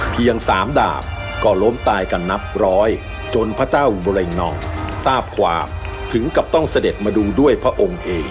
สามดาบก็ล้มตายกันนับร้อยจนพระเจ้าบเร็งนองทราบความถึงกับต้องเสด็จมาดูด้วยพระองค์เอง